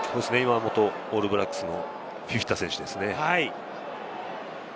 元オールブラックスのフィフィタ選手ですね。